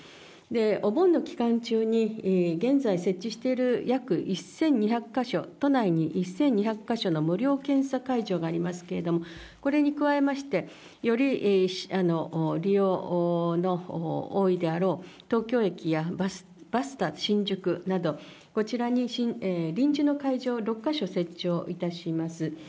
お盆の期間中に現在設置している約１２００か所、都内に１２００か所の無料検査会場がありますけれども、これに加えまして、より利用の多いであろう、東京駅やバスタ新宿など、こちらに臨時の会場を６か所設置をいたします。